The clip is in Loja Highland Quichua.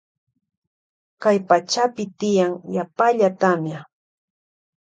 Kay pachapi tiyan yapalla tamia.